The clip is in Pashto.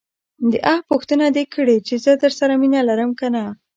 داح پوښتنه دې کړې چې زه درسره مينه لرم که نه.